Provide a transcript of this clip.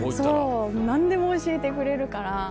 そう何でも教えてくれるから。